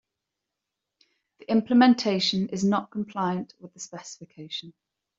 The implementation is not compliant with the specification.